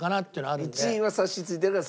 １位は察しついてるから？